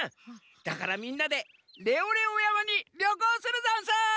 だからみんなでレオレオやまにりょこうするざんす！